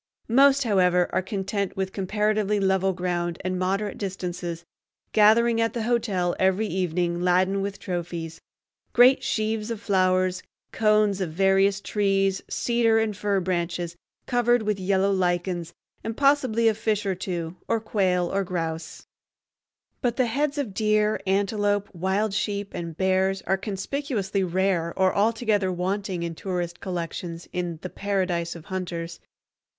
Most, however, are content with comparatively level ground and moderate distances, gathering at the hotel every evening laden with trophies—great sheaves of flowers, cones of various trees, cedar and fir branches covered with yellow lichens, and possibly a fish or two, or quail, or grouse. [Illustration: AT SHASTA SODA SPRINGS] But the heads of deer, antelope, wild sheep, and bears are conspicuously rare or altogether wanting in tourist collections in the "paradise of hunters."